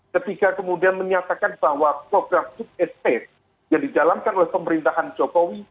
ketika kemudian menyatakan bahwa program sup estate yang dijalankan oleh pemerintahan jokowi